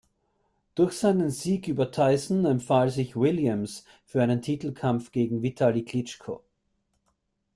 Durch seinen Sieg über Tyson empfahl sich Williams für einen Titelkampf gegen Vitali Klitschko.